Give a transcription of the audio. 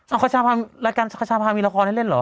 อ๋อเอาคัชภาพรายการคัชภาพมีละครให้เล่นเหรอ